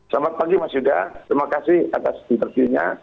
selamat pagi mas yuda terima kasih atas interview nya